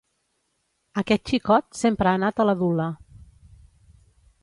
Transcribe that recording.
Aquest xicot sempre ha anat a la dula.